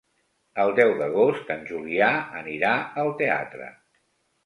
El deu d'agost en Julià anirà al teatre.